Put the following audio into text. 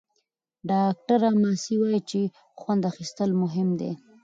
ډاکټره ماسي وايي چې خوند اخیستل مهم دي.